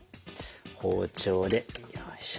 包丁でよいしょ。